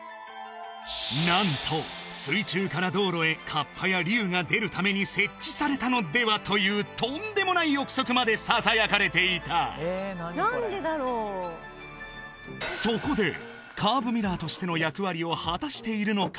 何と水中から道路へ河童や龍が出るために設置されたのではというとんでもない臆測までささやかれていたそこでカーブミラーとしての役割を果たしているのか